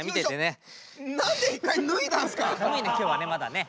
今日はねまだね。